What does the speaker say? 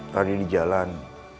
tadi di jalan